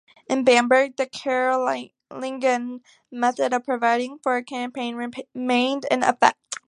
In Bamberg the Carolingian method of providing for a campaign remained in effect.